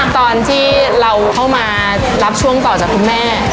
ตอนที่เราเข้ามารับช่วงต่อจากคุณแม่